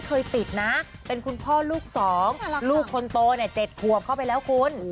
เคยติดนะเป็นคุณพ่อลูกสองลูกคนโต๗ควบเข้าไปแล้วคุณ